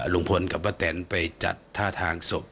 ลุงพลกับป้าแตนไปจัดท่าทางศพ